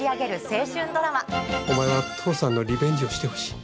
お前は父さんのリベンジをしてほしい。